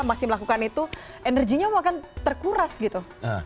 masih melakukan itu energinya akan terkuras gitu